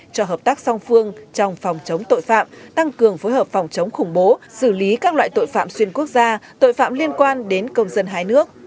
cho hợp tác song phương trong phòng chống tội phạm tăng cường phối hợp phòng chống khủng bố xử lý các loại tội phạm xuyên quốc gia tội phạm liên quan đến công dân hai nước